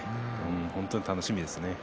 本当に楽しみですね。